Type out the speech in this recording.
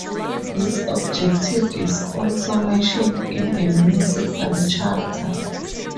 This "objective" is also mentioned in the municipal charter.